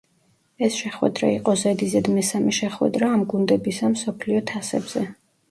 ეს შეხვედრა იყო ზედიზედ მესამე შეხვედრა ამ გუნდებისა მსოფლიო თასებზე.